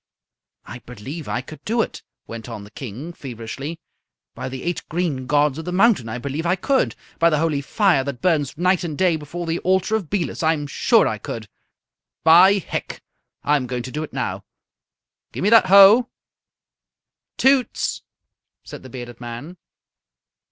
"I believe I could do it," went on the King, feverishly. "By the eight green gods of the mountain, I believe I could! By the holy fire that burns night and day before the altar of Belus, I'm sure I could! By Hec, I'm going to do it now! Gimme that hoe!" "Toots!" said the bearded man.